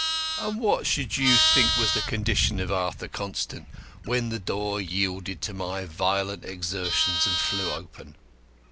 And what should you think was the condition of Arthur Constant when the door yielded to my violent exertions and flew open?"